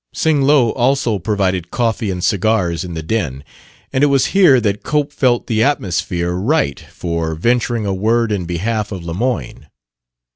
Sing Lo also provided coffee and cigars in the den; and it was here that Cope felt the atmosphere right for venturing a word in behalf of Lemoyne.